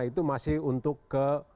itu masih untuk ke